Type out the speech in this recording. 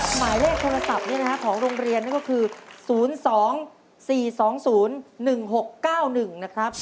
หมายเลขโทรศัพท์ของโรงเรียนก็คือ๐๒๔๒๐๑๖๙๑นะครับ